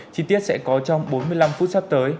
chi tiết sẽ có trong bốn mươi năm phút sắp tới